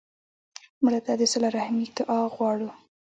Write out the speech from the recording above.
مړه ته د صله رحمي دعا غواړو